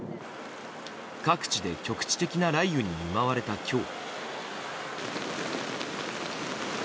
各地で局地的な雷雨に見舞われた今日。